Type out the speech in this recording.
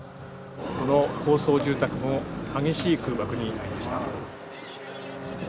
この高層住宅も、激しい空爆に遭いました。